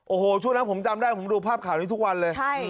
โอ้โหช่วงนั้นผมจำได้ผมดูภาพข่าวนี้ทุกวันเลย